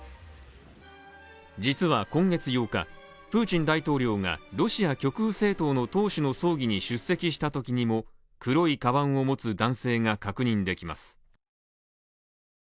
実は、今月８日、プーチン大統領がロシア極右政党の党首の葬儀に出席したときにも、黒いかばんを持つ男性が確認できます。